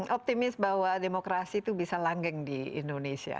optimis bahwa demokrasi itu bisa langgeng di indonesia